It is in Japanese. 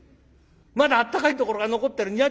まだあったかいところが残ってる。